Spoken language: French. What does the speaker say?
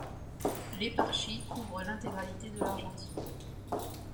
L'éparchie couvre l'intégralité de l'Argentine.